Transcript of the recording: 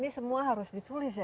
ini semua harus ditulis ya